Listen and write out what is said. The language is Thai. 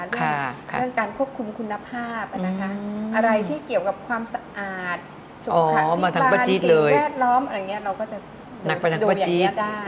เรื่องการควบคุมคุณภาพอะไรที่เกี่ยวกับความสะอาดสุขภิการสิ่งแวดล้อมเราก็จะดูอย่างนี้ได้